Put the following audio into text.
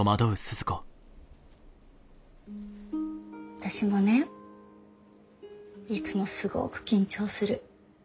私もねいつもすごく緊張する。